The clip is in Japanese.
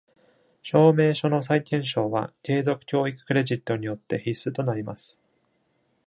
証明書の再検証は、継続教育クレジットによって必須となります。